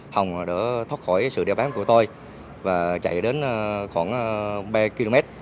hồng đã thoát khỏi sự đeo bám của tôi và chạy đến khoảng ba km